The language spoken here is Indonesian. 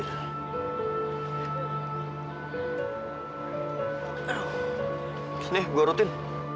disini gua rutin